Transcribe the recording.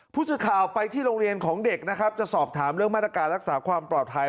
ผู้สื่อข่าวไปที่โรงเรียนของเด็กนะครับจะสอบถามเรื่องมาตรการรักษาความปลอดภัย